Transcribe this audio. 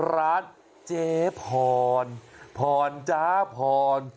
ร้านเจ๊พรพรจ้าพร